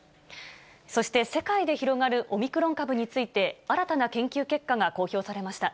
そして、世界で広がるオミクロン株について、新たな研究結果が公表されました。